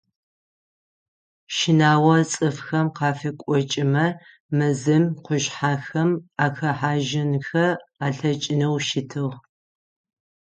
Щынагъо цӏыфхэм къафыкъокӏымэ, мэзым, къушъхьэхэм ахэхьажьынхэ алъэкӏынэу щытыгъ.